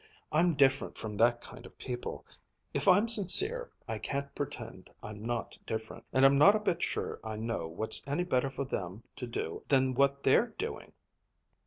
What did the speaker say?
I'm different from that kind of people. If I'm sincere I can't pretend I'm not different. And I'm not a bit sure I know what's any better for them to do than what they're doing!"